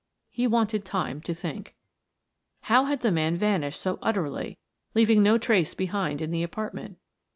He wanted time to think. How had the man vanished so utterly, leaving no trace behind in the apartment?